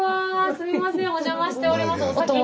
すみませんお邪魔しておりますお先に。